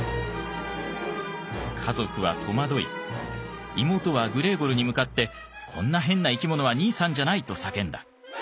家族は戸惑い妹はグレーゴルに向かって「こんな変な生き物は兄さんじゃない！」と叫んだ。